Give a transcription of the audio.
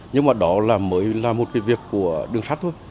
nhưng mà đó mới là một cái việc của đường sắt thôi